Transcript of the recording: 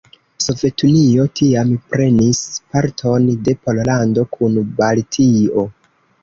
Sovetunio tiam prenis parton de Pollando kun Baltio.